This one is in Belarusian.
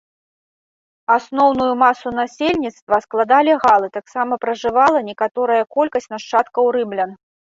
Асноўную масу насельніцтва складалі галы, таксама пражывала некаторая колькасць нашчадкаў рымлян.